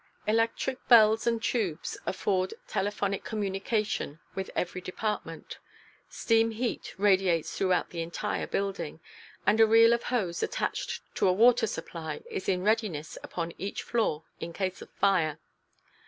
Electric bells and tubes afford telephonic communication with every department. Steam heat radiates throughout the entire building, and a reel of hose attached to a water supply pipe is in readiness upon each floor in case of fire.